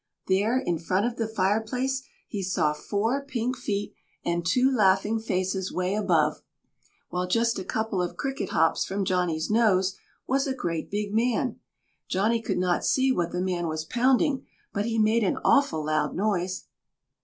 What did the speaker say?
There in front of the fireplace he saw four pink feet and two laughing faces way above, while just a couple of Cricket hops from Johnny's nose was a great big man. Johnny could not see what the man was pounding, but he made an awful loud noise.